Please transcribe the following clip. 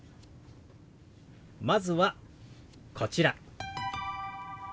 まずはこちら。